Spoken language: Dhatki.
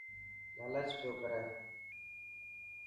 لالچ پيو ڪري.